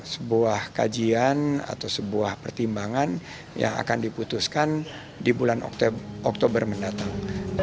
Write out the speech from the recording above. sebuah kajian atau sebuah pertimbangan yang akan diputuskan di bulan oktober mendatang